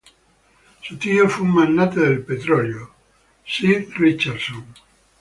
Su tío fue un magnate del petróleo, Sid Richardson.